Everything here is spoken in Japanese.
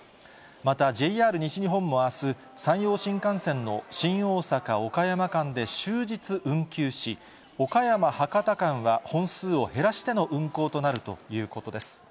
またＪＲ西日本もあす、山陽新幹線の新大阪・岡山間で終日運休し、岡山・博多間は本数を減らしての運行となるということです。